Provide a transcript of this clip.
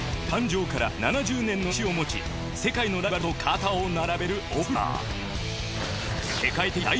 誕生から７０年の歴史を持ち世界のライバルと肩を並べるオフローダー。